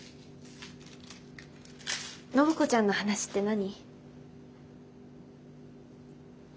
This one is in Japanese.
暢子ちゃんの話って何？